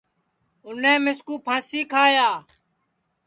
اُنے مِسکُو پھانٚسی کھایا